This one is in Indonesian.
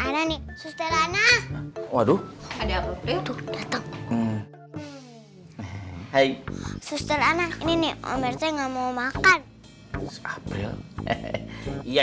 ada nih suster anak waduh ada betul hai suster anak ini omerte nggak mau makan april iya iya